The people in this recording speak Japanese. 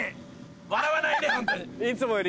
笑わないね